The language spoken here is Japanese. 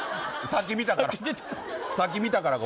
さっき見たから。